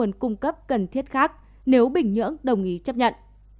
nguồn cung cấp cần thiết khác nếu bình nhưỡng đồng ý chấp nhận